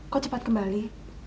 kok cepat kembali